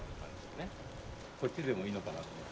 こっちでもいいのかなと。